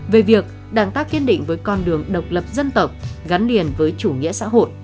về việc đảng ta kiên định với con đường độc lập dân tộc gắn liền với chủ nghĩa xã hội